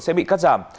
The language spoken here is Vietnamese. sẽ bị cắt giảm